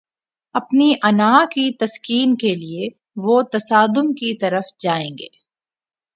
اپنی انا کی تسکین کے لیے وہ تصادم کی طرف جائیں گے۔